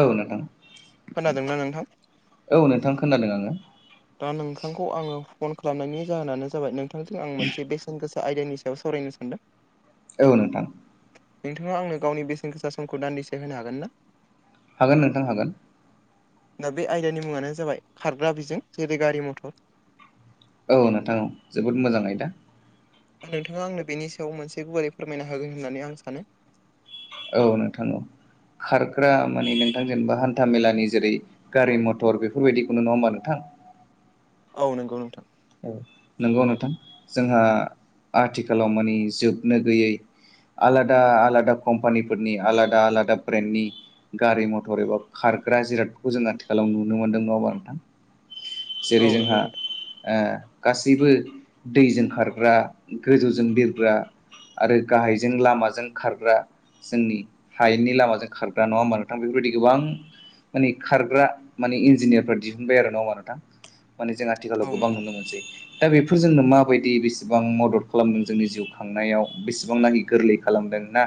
औ नोंथां खोनादोंना नोंथां औ नोंथां खोनादों आङो। दा नोंथांखौ आङो फन खालामनायनि जाहोनानो जाबाय नोंथांजों आं मोनसे बेसेन गोसा आयदानि सायाव सावरायनो सानदों। औ नोंथां। नोंथाङा आंनो गावनि बेसेन गोसा समखौ दान्दिसे होनो हागोनना? हागोन नोंथां हागोन। दा बे आयदानि मुङानो जाबाय खारग्रा बिजों जेरै गारि मथर। औ नोंथां औ जोबोद मोजाङै आयदा। दा नोंथाङा आंनो बेनि सायाव मोनसे गुवारै फोरमायना होगोन होननानै आं सानो। औ नोंथां औ खारग्रा माने नोंथां जेनेबा हान्था मेलानि जेरै गारि मथर बेफोरबायदिखौनो नङा होमबा नोंथां। औ नोंगौ नोंथां। औ नंगौ नोंथां जोंहा आथिखालाव मानि जोबनो गैयै। आलादा आलादा कम्पानिफोरनि आलादा आलादा ब्रेन्डनि गारि मथर एबा खारग्रा जिरादखौ जों आथिखालाव नुनो मोनदों नङाबा नोंथां। औ जेरै नंगौ जोंहा नोंथां ओ गासैबो दैजों खारग्रा गोजौजों बिरग्रा आरो गाहायजों लामाजों खारग्रा जोंनि हायेननि लामाजों खारग्रा नङा होमबा नोंथां बेफोरबायदि गोबां मानि खारग्रा मानि इन्जिनियारफ्रा दिहुनबाय आरो नङाबा नोंथां। माने जों औ आथिखालाव गोबां नंगौ नुनो मोनसै। दा बेफोरजोंनो माबायदि बेसिबां मदद खालामदों जोंनि जिउ खांनायाव बेसिबां नाङि गोरलै खालामदोंना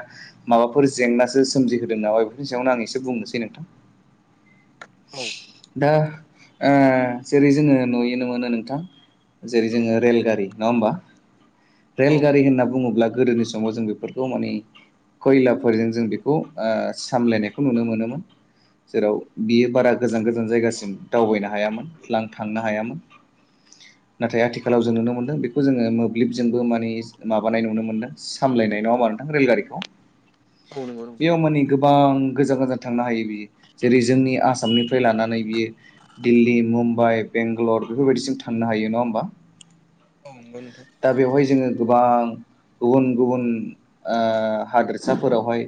माबाफोर जेंनासो सोमजिहोदों नामा बेफोरनि सायावनो आं इसे बुंनोसै नोंथां। औ दा ओ जेरै जोङो नुयो नङा ना नोंथां जेरै जोङो रेलगारि नङा होमबा? औ रेलगारि होनना बुङोब्ला गोदोनि समाव जों बेफोरखौ माने खयलाफोरजों जों बेखौ ओ सामलायनायखौ नुनो मोनोमोन। जेराव बियो बारा गोजान गोजान जायगासिम दावबायनो हायामोन लां थांनो हायामोन। [inaudible] नाथाय आथिखालाव जों नुनो मोनदों बेखौ जोङो मोब्लिबजोंबो मानि इस माबानाय नुनो मोन्दों सामलायनाय नङा होमबा नोंथां रेलगारिखौ। औ नंगौ नोंथां बेयाव मानि गोबां गोजान गोजान थांनो हायो बियो जेरै जोंनि आसामनिफ्राय लानानै बियो दिल्ली मुम्बाइ बेंगलर बेफोरबायदिसिम थांनो हायो नङा होमबा? औ नंगौ नोंथां। दा बेवहाय जोङो गोबां गुबुन गुबुन ओ हादोरसाफोरावहाय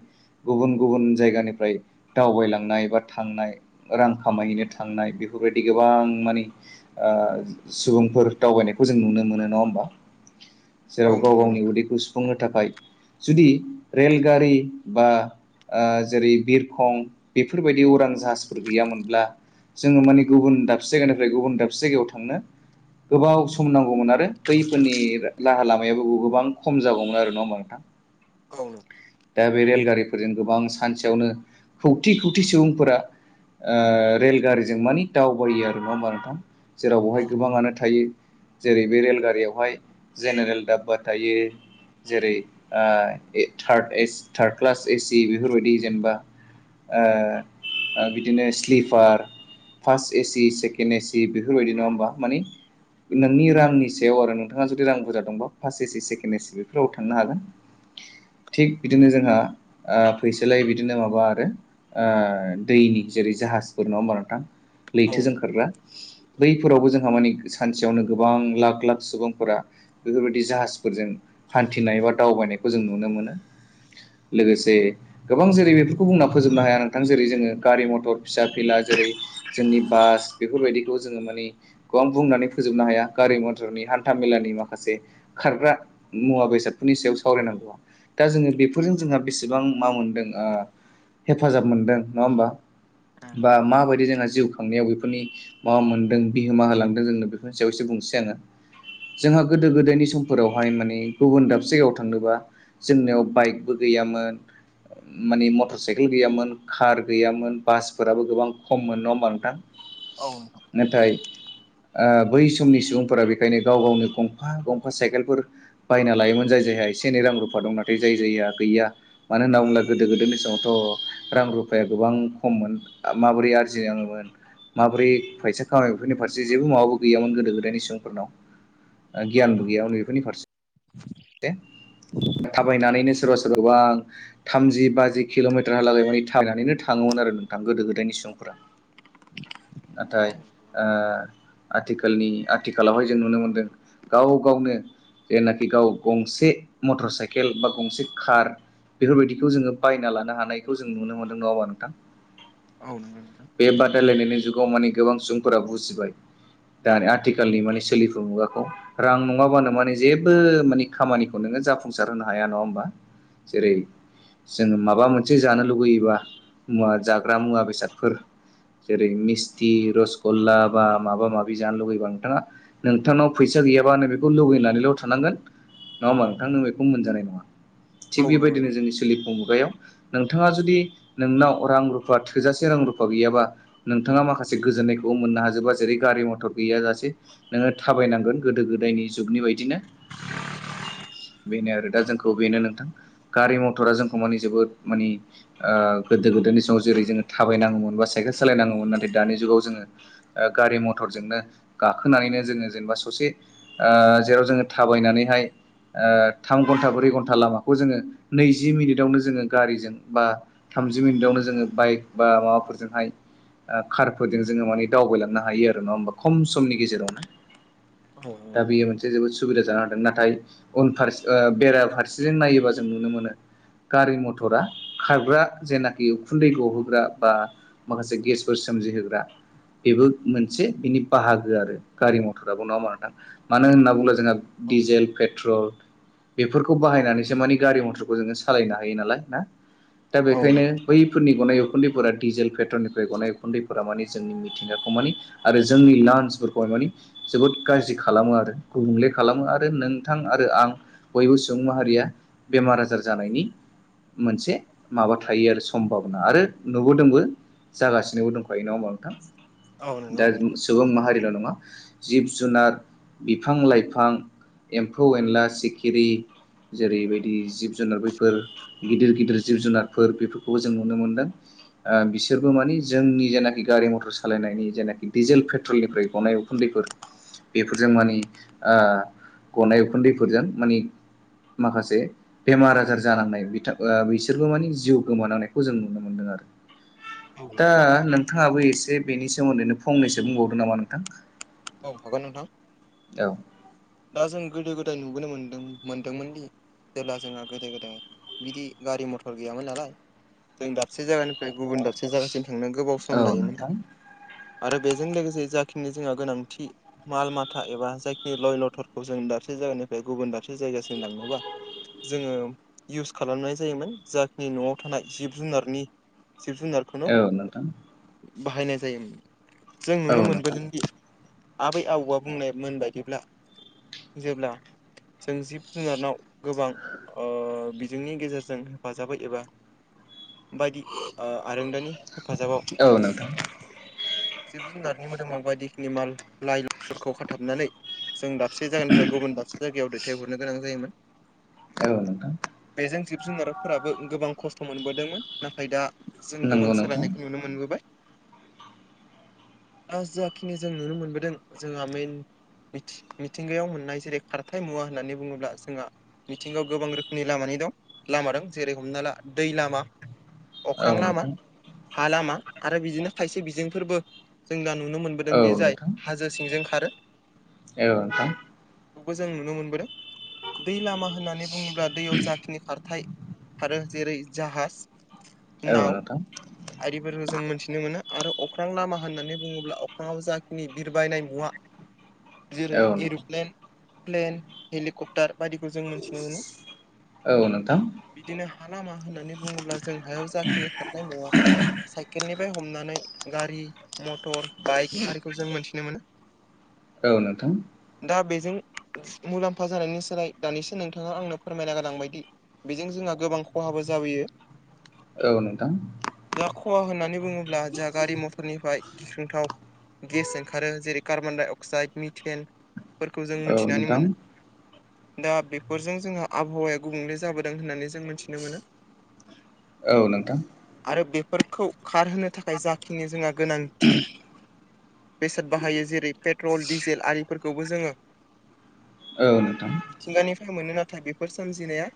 गुबुन गुबुन जायगानिफ्राय दावबायलांनाय बा थांनाय रां खामायहैनो थांनाय बेफोरबायदि गोबां माने ओ सुबुंफोर दावबायनायखौ जों नुनो मोनो नङा होमबा। औ नंगौ नोंथां औ जेराव गाव नंगौ गावनि नोंथां उदैखौ सुफुंनो थाखाय जुदि रेलगारि बा ओ जेरै बिरखं बेफोरबायदि उरां जाहाजफोर गैयामोनब्ला जोङो माने गुबुन दाबसे जायगानिफ्राय गुबुन दाबसे जायगायाव थांनो गोबाव सम नांगौमोन आरो बैफोरनि रा लाहा लामायाबो गोबो गोबां खम जागौमोन आरो नङा होमबा नोंथां। औ नों दा बे रेलगारिफोरजों गोबां सानसेयावनो खौथि खौथि सुबुंफोरा ओ रेलगारिजों मानि दावबायो आरो नङा होमबा नोंथां जेराव औ बेहाय गोबाङानो थायो। जेरै बे रेलगारियावहाय जेनेरेल दाब्बा थायो। जेरै ओ ए third S third class AC बेफोरबायदि जेनबा ओ ओ बिदिनो sleeper first AC second AC बेफोरबायदि नङा होमबा मानि नोंनि रांनि सायाव आरो नोंथाङा जुदि रां बुरजा दंबा फास एसि सेकेण्ड एसि बेफोराव थांनो हागोन थिग बिदिनो जोंहा ओ फैसोलाय बिदिनो माबा आरो ओ दैनि जेरै जाहाजफोर नङा होमबा नोंथां औ नोंथां औ नंगौ लैथोजों नोंथां खारग्रा। बैफोरावबो जोंहा मानि सानसेयावनो गोबां लाख लाख सुबुंफोरा बेफोरबायदि जाहास फोरजों हान्थिनाय बा दावबायनायखौ जों नुनो मोनो लोगोसे गोबां जेरै बेफोरखौ बुंना फोजोबनो हाया नोंथां जेरै जोङो गारि मथर फिसा फिला जेरै जोंनि बास बेफोरबायदिखौ जोङो माने खौ आं बुंनानै फोजोबनो हाया गारि मथरनि हान्था मेलानि माखासे खारग्रा मुवा बेसादफोरनि सायाव सावरायनांगौआ। दा जोङो बेफोरजों जोंहा बेसेबां मा मोन्दों ओ हेफाजाब मोनदों नङा होमबा? बा माबायदि जोंहा जिउ खांनायाव बेफोरनि मा मोनदों बिहोमा होलांदों जोंनो बेफोरनि सायाव इसे बुंनिसै आङो जोंहा गोदो गोदायनि समफोरावहाय माने गुबुन दाबसे जायगायाव थांनोबा जोंनियाव बाइकबो गैयामोन मानि मटर साइकेल गैयामोन कार गैयामोन बासफोराबो गोबां खम मोन नङा होमबा नोंथां? औ नोंथां। नाथाय ओ बै समनि सुबुंफोरा बेखायनो गाव गावनो गंफा गंफा साइकेलफोर बायना लायोमोन जाय जायहा एसे एनै रां रुफा दं नाथाय जाय जायहा गैया मानो होनना बुंब्ला गोदो गोदायनि समावथ' रां रुफाया गोबां खममोन। आ माबोरै आरजिनाङोमोन, माबोरै फैसा खामायायो बेफोरनि फारसे जेबो माबाबो गैयामोन गोदो गोदायनि सुबुंफोरनाव। गियानबो गैया नै बेफोरनि फार से। थाबायनानैनो सोरबा सोरबाबा थामजि बाजि किल'मिटारहालागै मानि थाबायनानैनो थाङोमोन आरो नोंथां गोदो गोदायनि सुबुंफोरा। नाथाय ओ आथिखालनि आथिखालावहाय जों नुनो मोनदों गाव गावनो जेनाखि गाव गंसे मटर साइकेल बा गंसे कार बेफोरबायदिखौ जोङो बायना लानो हानायखौ जों नुनो मोनदों। नङा होमबा नोंथां? औ नंगौ नोंथां। बे बादायलायनायनि जुगाव माने गोबां सुबुंफोरा बुजिबाय। दानि आथिखालनि माने सोलिफु मुगाखौ रां नङाबानो माने जेबो माने खामानि खौ नोङो जाफुंसार होनो हाया नङा होमबा जेरै जोङो माबा मोनसे जानो लुुबैयोबा मुवा जाग्रा मुवा बेसादफोर जेरै मिस्थि रसगल्ला बा माबा माबि जानो लुुबैबा नोंथाङा नोंथांनाव फैसा गैयाबा नों बेखौ लुगैनानैल' थानांगोन। नङा होमा नोंथांनो बेखौ मोनजानाय नङा। औ थिग नंगौ नोंथां औ नंगौ बेबायदिनो नोंथां जोंनि सोलिफुं मुगायाव नोंथाङा जुदि नोंनाव रां रुफा थोजासे रां रुफा गैयाबा नोंथाङा माखासे गोजोननायखौबो मोननो हाजोबा जेरै गारि मथर गैयाजासे नोङो थाबायनांगोन गोदो गोदायनि जुगनि बायदिनो बेनो आरो दा जोंखौ बेनो नोंथां गारि मथरा जोंखौ मानि जोबोद मानि ओ गोदो गोदोनि समाव जेरै जोङो थाबाय नांगौमोन, बा साइकेल सालायनांगौमोन नाथाय दानि जुगाव जोङो ओ गारि मथरजोंनो गाखोनानैनो जोङो जेनेबा ससे ओ जेराव जोङो थाबायनानैहाय ओ थाम घन्टा ब्रै घन्टा लामाखौ जोङो नैजि मिनिटआवनो जोङो गारिजों बा थामजि मिनिटावनो जोङो बाइक बा माबाफोरजोंहाय ओ कारफोरजों जोङो माने दावबायलांनो हायो आरो नङा होमबा खम समनि गेजेरावनो। दा बेयो मोनसे जोबोद सुबिदा जानो हादों। नाथाय उनफारस ओ बेराफारसेजों नायोबा जों नुनो मोनो गारि मथरा खारग्रा जेनाखि उखुन्दैखौ होग्रा बा माखासे गेसफोर सोमजिहोग्रा बेबो मोनसे बिनि बाहागो आरो गारि मथराबो नंङा होमबाथ नोंथां? मानो होनना बुङोब्ला जोंहा औ डिजेल पेट ट्रल बेफोरखौ बाहायनानैसो मानिे गारि मथरखौ जोङो सालायनो हायो नालाय ना दा औ बेखायनो नंगौ बै फोरफोरनि गनाय उखुन्दैफोरा डिजेल पेट्रलनिफ्राय गनाय उखुन्दैफोरा मानि जोंनि मिथिंगाखौ मानि आरो जोंनि लान्सफोरखौहाय माने जोबोद गाज्रि खालामो आरो गुबुंले खालामो आरो नों थां आरो आं बयबो सुबुं माहारिया बेमार आजार जानायनि मोनसे माबा थायो आरो सम भाबना आरो नुबोदोंबो जागासिनोबो दंखायो नङा होमबा नोंथां? औ नंगौ दा नोंथां सुबुं माहारिल' नङा जिब जुनार बिफां लाइफां एम्फौ एनला सिखिरि जेरैबायदि जिब जुनार गिदिर गिदिर जिब जुनारफोर बेफोरखौबो जों नुनो मोनदों। ओ बिसोरबो मानि जोंनि जेनाखि गारि मथर सालायनायनि जेनाखि डिजेल पेट्रलनिफ्राय गनायाव उ खुन्दैफोर बेफोरजों माने ओ गनाय उखुन्दैफोरजों माने माखासे बेमार आजार जालांनाय बिथा ओ बिसोरबो माने जिउ गोमानांनायखौ जों नुनो मोनदों आरो। औ दा नोंथाङाबो एसे बेनि सोमोन्दैनो फंनैसो बुंबावदों नामा नोंथां? औ हागोन नोंथां। औ। दा जों गोदो गोदाय नुबोनो मोनदों मोनदोंमोन दि जेब्ला जोंहा गोदो गोदाय बिदि गारि मथर गैयामोन नालाय। जों दाबसे जायगानिफ्राय गुबुन दाब से जागासिम थांनो गोबाव औ सम लायोमोन नोंथां आरो। बेजों लोगोसे जाखिनि जोंहा गोनांथि थि माल माथा एबा जायखि लय लथरखौ जों दाबसे जायगानिफ्राय गुबुन दाबसे जायगासिम लांनोबा जोङो इउस खालामनाय जायोमोन। जाखिनि न'आव थानाय जिब जुनारनि जिब जुनारख औ नोंथां। बाहायनाय जायोमोन। जों औ नुनो नोंथां मोनबोदोंदि आबै आबौआ बुंनायमोन बायदिब्ला जोब्ला जों जिब जुनारनाव गोबां ओ बिजोंनि गेजेरजों हेफाजाबै एबा बायदि ओ आरोंदानि हेफाजाबाव औ नोंथां जिब जुनारनि मोदोमाव बायदिखिनि माल लाइ लथरखौ खाथाबनानै जों दाबसे जायगानिफ्राय गुबुन दाबसे जायगायाव दैथायहरनो गोनां जायोमोन। औ नोंथां। बेजों जिब जुनारारफोराबो गोबां खस्थ' मोनबोदोंमोन। नाथाय दा जों गोबां नंगौ नोंथां सोलायनायखौ नुनो मोनबोबाय। दा जाखिनि जों नुनो मोनबोदों जोंहा मेन मिथि-मिथिंगायाव मोननाय जेरै खारथाय मुवा होननानै बुङोब्ला जोंहा मिथिंगायाव गोबां रोखोमनि लामानि दं लामा दं जेरै हमना ला दै लामा, औ अख्रां लामा, नोंथां हा लामा आरो बिदिनो खायसे बिजोंफोरबो जों दा नुनो मोन औ नोंथां। हाजो सिंजों खारो। औ नोंथां बो जों नुनो मोनबोदों। दै लामा होननानै बुंङोब्ला दैयाव जाखिनि खारथाय खारो जेरै जाहाज औ नाव नोंथां। आरिफोरखौ जों मोन्थिनो मोनो। आरो अख्रां लामा होननानै बुङोब्ला अख्राङाव जा खिनि बिरबायनाय मुवा जेरै औ नोंथां औ एर'प्लेन, प्लेन, हेलिकप्टार बायदिखौ जों मोनथिनो मोनो। औ नोंथां। बिदिनो हा लामा होननानै बुङोब्ला जों हायाव जाखिनि खारनाय मुवा साइकेलनिफ्राय हमनानै गारि मटर, बाइक आरिखौ जों मोनथिनो मोनो। औ नोंथां। दा बेजों मुलाम्फा जानायनि सोलाय दानिसो नोंथाङा आंनो फोरमायना गोलांबायदि बेजों जोंहा गोबां खहाबो जाबोयो। औ नोंथां। दा खहा होननानै बुंङोब्ला जाोंहा गारि मथरनिफ्राय गिख्रंथाव गेस ओंखारो जेरै कार्बन-डाइ-अक्साइद मिथेन फोरखौ जों औ मोनथिनानै नोंथां मोनो। दा बेफोरजों जोंहा आबहावाया गुबुंले जाबोदों होननानै जों मोनथि मोनो औ नोंथां औ नोंथां औ नोंथां आरो बेफोरखौ खार होनो थाख खाय नाथाय जाखिनि जोंहा गोनांथि। बेसाद बाहायो। जेरै पेट्रल, डिजेल आरिफोरखौबो जोङो ओ नोंथां। मिथिंगानिफ्राय मोनो नाथाय बेफोर सोमजिनाया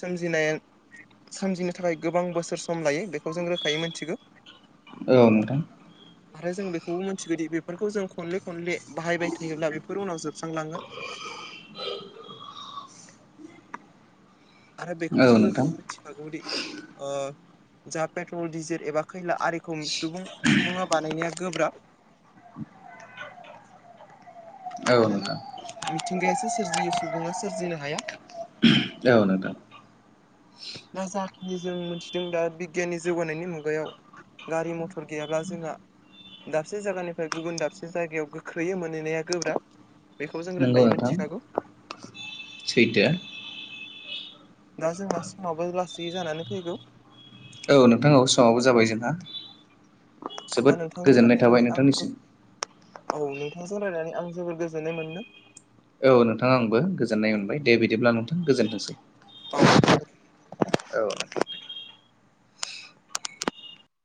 सोमजिनाय सोमजिनो थाखाय गोबां बोसोर सम लायो बेखौ जों रोखायै मोनथिगौ। औ नोंथां। आरो जों बेखौबो मिथिगौदि बेफोरखौ जों खनले खनले बाहायबाय थायोब्ला बेफोर उनाव जोबस्रांलांगोन। आरो बेखौ जों रोखा मिथिखागौदि ओ जा पेट्रल डिजेल एबा खैला आरिखौ सुबुं सुबुङा बानायनाया गोब्राब। मानोना नोंथां मिथिंगायासो सोरजियो सुबुङा सोरजिनो हाया। औ नोंथां। दा जाखिनि जों मोनथिदों दा बिगियाननि जौगानायनि मुगायाव। गारि मथर गैयाब्ला जोंहा दाबसे जायगानिफ्राय गुबुन दाबसे जायगायाव गोख्रैयै मोनहैनाया गोब्राब। बेखौ जों नोंगौ रोखायै नोंथां मिथिखागौ सैथो। दा जोंना समाबो लासै जानानै फैगौ। औ नोंथांनाव समावबो जाबाय जोंहा दा जोबोद नोंथांजों गोजोननाय थाबाय रायलायनानै आं जोबोद नोंथांनिसिम। औ नोंथांजों रायनानै आं जोबोर गोजोननाय मोनदों। औ नोंथांङा आंबो गोजोननाय मोनबाय दे बिदिब्ला नोंथां गोजोनथोंसै। औ नोंथां। औ